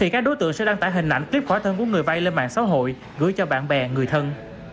các đối tượng sẽ đăng tải hình ảnh clip khỏa thân của người vay lên mạng xã hội gửi cho bạn bè người thân